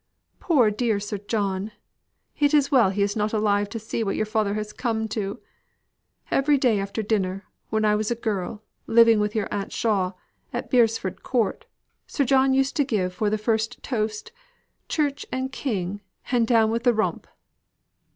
Poor dear Sir John! It is well he is not alive to see what your father has come to! Every day after dinner, when I was a girl, living with your Aunt Shaw, at Beresford Court, Sir John used to give for the first toast 'Church and King, and down with the Rump.